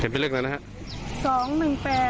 เห็นเป็นเลขแล้วนะครับ